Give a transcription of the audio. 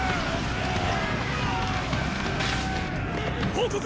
報告！